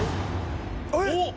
えっ！！